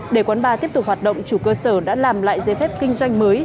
để quán bar tiếp tục hoạt động chủ cơ sở đã làm lại giấy phép kinh doanh mới